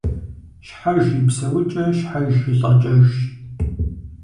Щхьэж и псэукӏэ щхьэж и лӏэкӏэжщ.